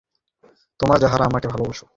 তোমরা যাহারা আমাকে ভালোবাস, আমার অনুবর্তী হও!